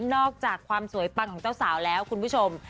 อกจากความสวยปังของเจ้าสาวแล้วคุณผู้ชม